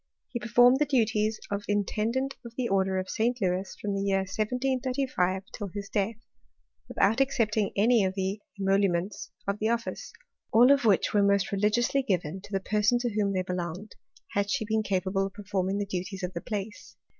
He performed the duties of intend of the order of St. Louis from the year 1 735 till death, without accepting any of the emolument the office, all of which were most religiously given the person to whom they belonged, had she beeti pable of performing the duties of the place.